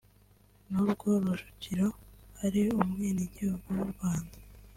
n’ubwo Rujugiro ari umwenegihugu w’u Rwanda